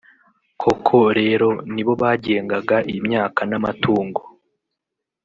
koko rero nibo bagengaga imyaka n’amatungo